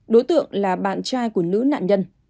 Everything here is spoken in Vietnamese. đối tượng là bạn trai của nữ nạn nhân